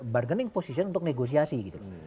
bargaining position untuk negosiasi gitu loh